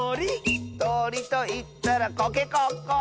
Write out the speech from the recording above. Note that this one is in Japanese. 「とりといったらコケコッコー！」